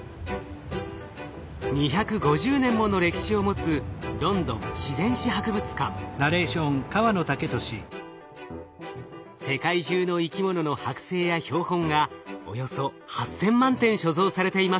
２５０年もの歴史を持つ世界中の生き物のはく製や標本がおよそ８，０００万点所蔵されています。